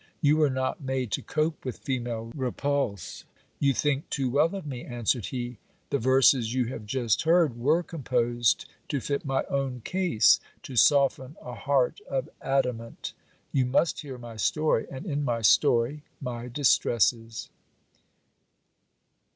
You were not made to cope with female repulse. You think too well of me, answered he. The verses you have just heard were composed to fit my own case ; to soften a heart of adamant. You must hear my story, and in my story, my distresses.